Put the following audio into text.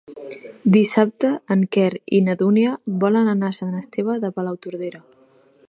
Dissabte en Quer i na Dúnia volen anar a Sant Esteve de Palautordera.